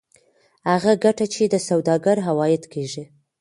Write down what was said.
هغه ګټه چې د سوداګر عواید کېږي